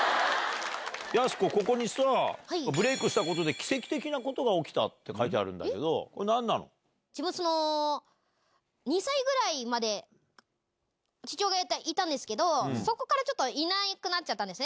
やす子、ここにさ、ブレイクしたことで奇跡的なことが起きたって書いてあるんだけど、自分その、２歳ぐらいまで父親がいたんですけど、そこからちょっといなくなっちゃったんですね。